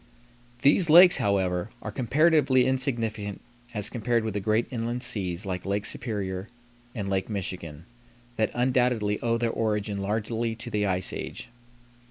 These lakes, however, are comparatively insignificant as compared with the great inland seas like Lake Superior and Lake Michigan, that undoubtedly owe their origin largely to the ice age.